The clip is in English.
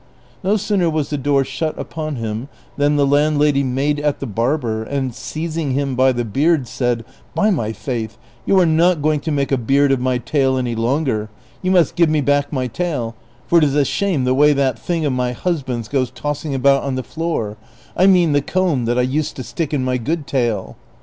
No sooner was the door shut upon him than the landlady made at the barber, and seizing him by the beard, said, " By my faith you are not going to make a beard of my tail any longer ; you must give me back my tail, for it is a shame the way that thing of my husband's goes tossing about on the floor ; I mean the comb that I used to stick in my good tail."